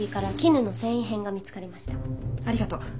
ありがとう。